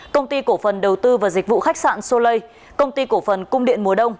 công ty cổ phần đầu tư và dịch vụ khách sạn solei công ty cổ phần cung điện mùa đông